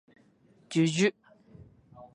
じゅじゅ